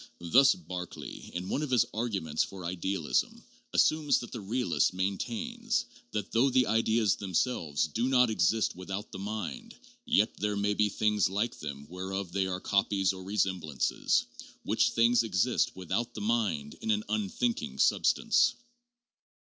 Thus Berkeley, in one of his arguments PSYCHOLOGY AND SCIENTIFIC METHODS 453 for idealism, assumes that the realist maintains that 'though the ideas themselves do not exist without the mind, yet there may be things like them, whereof they are copies or resemblances, which things exist without the mind in an unthinking substance.'